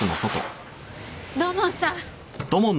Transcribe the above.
土門さん！